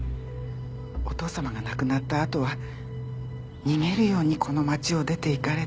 お父様が亡くなったあとは逃げるようにこの街を出て行かれて。